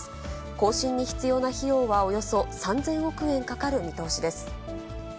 更新に必要な費用はおよそ３０００億円かかる見通しです。